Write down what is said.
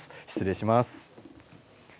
失礼します。